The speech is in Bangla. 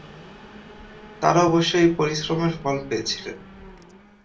তাঁরা অবশ্য এই পরিশ্রমের ফল পেয়েছিলেন।